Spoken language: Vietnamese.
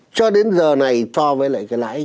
cho đến giờ này cho với lại cái lãi